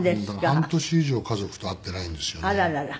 だから半年以上家族と会ってないんですよね。